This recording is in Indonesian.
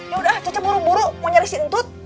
yaudah cecek buru buru mau nyari si entut